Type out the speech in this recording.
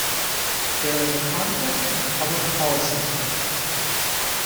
There is a conflict in public policy.